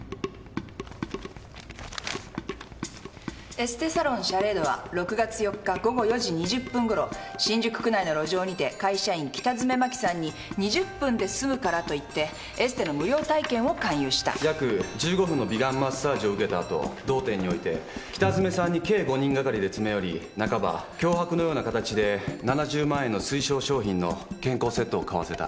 「エステサロン『シャレード』は６月４日午後４時２０分ごろ新宿区内の路上にて会社員北詰麻紀さんに『２０分で済むから』と言ってエステの無料体験を勧誘した」「約１５分の美顔マッサージを受けた後同店において北詰さんに計５人がかりで詰め寄り半ば脅迫のような形で７０万円の推奨商品の健康セットを買わせた」